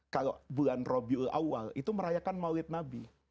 kalau bulan rabiul awal itu merayakan maulid nabi